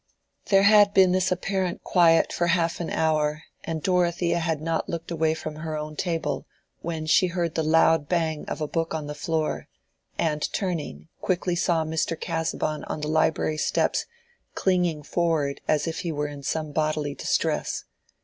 There had been this apparent quiet for half an hour, and Dorothea had not looked away from her own table, when she heard the loud bang of a book on the floor, and turning quickly saw Mr. Casaubon on the library steps clinging forward as if he were in some bodily distress.